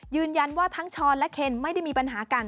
ยืนยันว่าทั้งช้อนและเคนไม่ได้มีปัญหากัน